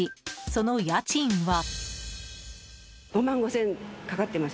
その家賃は。